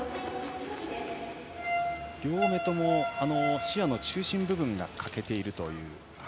両目とも、視野の中心部分が欠けているという。